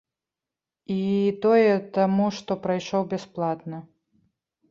І тое, таму што прайшоў бясплатна.